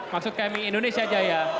maksud kami indonesia jaya